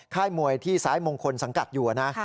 ค่ายมวยที่สายมงคลสังกัดอยู่นะ